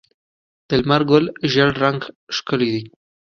د لمر ګل ژیړ رنګ ښکلی دی.